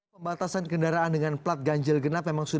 pembatasan kendaraan dengan plat ganjil genap memang sudah